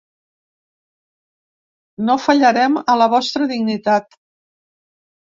No fallarem a la vostra dignitat.